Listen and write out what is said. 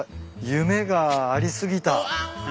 夢があり過ぎた。